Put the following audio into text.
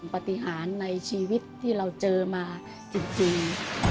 ปฏิหารในชีวิตที่เราเจอมาจริง